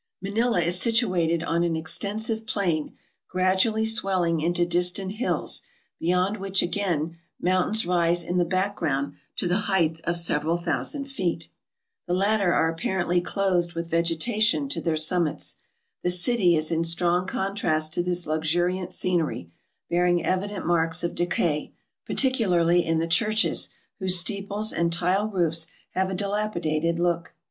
Manila is situated on an extensive plain, gradually swell ing into distant hills, beyond which, again, mountains rise in the background to the height of several thousand feet. The latter are apparently clothed with vegetation to their summits. The city is in strong contrast to this luxuriant scenery, bearing evident marks of decay, particularly in the churches, whose steeples and tile roofs have a dilapidated look.